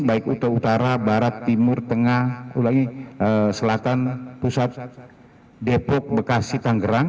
baik utara barat timur tengah ulangi selatan pusat depok bekasi tanggerang